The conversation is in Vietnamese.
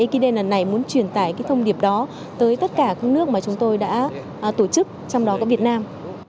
mình muốn truyền tải cái thông điệp đó tới tất cả các nước mà chúng tôi đã tổ chức trong đó có việt nam